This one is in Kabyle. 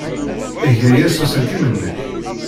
Eg aya s uselkim-nnek.